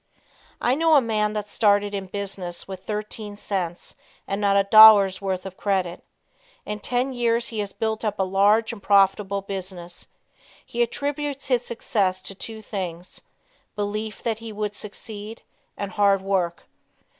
I know a man that started in business with thirteen cents and not a dollar's worth of credit. In ten years he has built up a large and profitable business. He attributes his success to two things belief that he would succeed and hard work.